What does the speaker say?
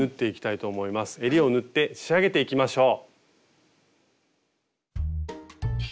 えりを縫って仕上げていきましょう。